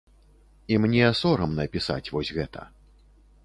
І мне сорамна пісаць вось гэта.